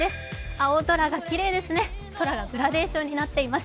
青空がきれいですね、空がグラデーションになっています。